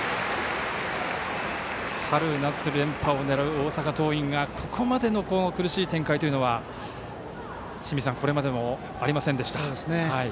春夏連覇を狙う大阪桐蔭がここまでの苦しい展開というのはこれまで、ありませんでした。